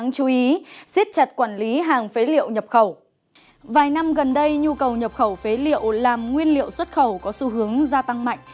cần đây nhu cầu nhập khẩu phế liệu làm nguyên liệu xuất khẩu có xu hướng gia tăng mạnh